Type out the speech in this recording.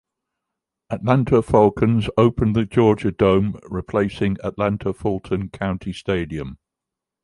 Atlanta Falcons opened the Georgia Dome, replacing Atlanta-Fulton County Stadium.